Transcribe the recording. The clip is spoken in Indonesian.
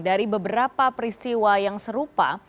dari beberapa peristiwa yang serupa